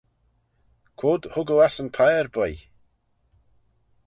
Quoid hug oo ass yn piyr, boy?